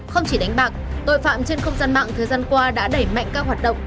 không chỉ đánh bạc tội phạm trên không gian mạng thời gian qua đã đẩy mạnh các hoạt động